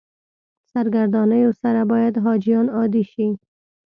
سرګردانیو سره باید حاجیان عادي شي.